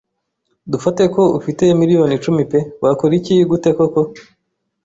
Dufate ko ufite miliyoni icumi pe wakora iki gute koko